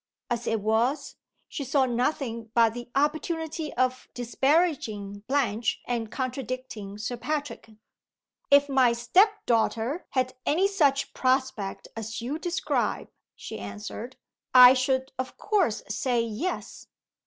As it was, she saw nothing but the opportunity of disparaging Blanche and contradicting Sir Patrick. "If my step daughter had any such prospect as you describe," she answered, "I should of course say, Yes.